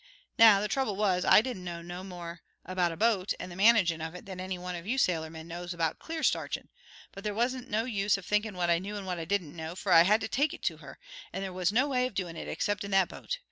Now, the trouble was, I didn't know no more about a boat and the managin' of it than any one of you sailormen knows about clear starchin'. But there wasn't no use of thinkin' what I knew and what I didn't know, for I had to take it to her, and there was no way of doin' it except in that boat.